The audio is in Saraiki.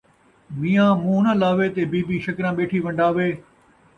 میاں مون٘ہہ ناں لاوے تے بی بی شکراں ٻیٹھی ون٘ڈاوے